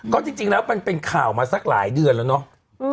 ก็จริงแล้วมันเป็นข่าวมาสักหลายเดือนแล้วเนาะ